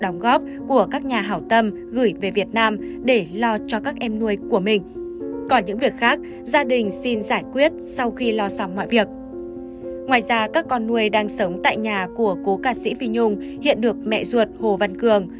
ngoài ra các con nuôi đang sống tại nhà của cố ca sĩ phi nhung hiện được mẹ ruột hồ văn cường